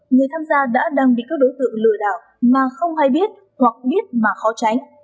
người tham gia đã đang bị các đối tượng lừa đảo mà không hay biết hoặc biết mà khó tránh